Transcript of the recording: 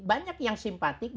banyak yang simpatik